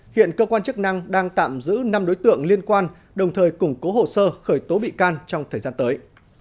hiện cơ quan chức năng đang tạm giữ năm đối tượng liên quan đồng thời củng cố hồ sơ khởi tố bị can trong thời gian tới